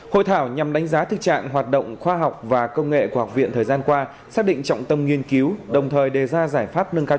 hội thảo nhằm đánh giá thực trạng hoạt động khoa học và công tác nghiên cứu khoa học